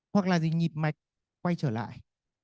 hoặc là gì nhịp mạch quay trở lại